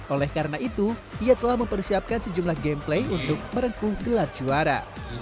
oleh karena itu ia telah mempersiapkan sejumlah gameplay untuk merengkung gelar juara